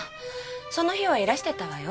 その日はいらしてたわよ